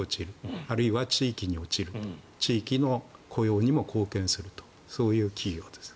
あるいは地域に落ちる地域の雇用にも貢献するとそういう企業です。